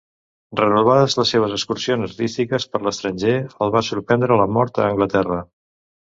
Renovades les seves excursions artístiques per l'estranger, el va sorprendre la mort a Anglaterra.